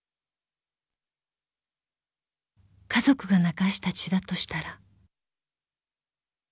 ［家族が流した血だとしたら］